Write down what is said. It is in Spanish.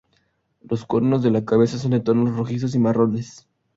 Los cuernos de la cabeza son de tonos rojizos y marrones.